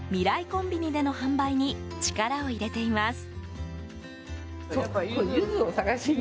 コンビニでの販売に力を入れています。